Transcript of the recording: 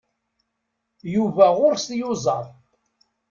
Yuba ɣur-s tiyuzaḍ.